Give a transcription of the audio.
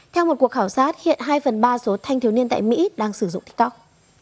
theo một cuộc khảo sát hiện hai phần ba số thanh thiếu niên tại mỹ đang sử dụng tiktok